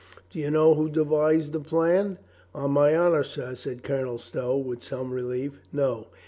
"Do you know who devised the plan?" "On my honor, sir," said Colonel Stow, with some relief, "no.